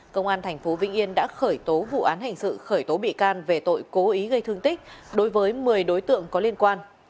công an tp vĩnh yên đã khởi tố vụ án hình sự khởi tố bị can về tội cố ý gây thương tích đối với một mươi đối tượng có liên quan